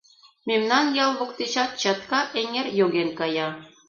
— Мемнан ял воктечат чатка эҥер йоген кая.